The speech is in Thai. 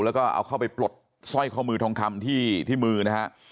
แล้วก็เอาเข้าไปปลดสร้อยข้อมือทองคำที่มือนะฮะ